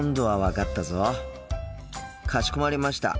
かしこまりました。